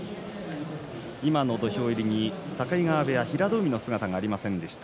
今の土俵入りに境川部屋の平戸海が姿がありませんでした。